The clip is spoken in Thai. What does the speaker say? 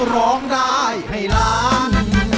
ร้องได้ให้ล้าน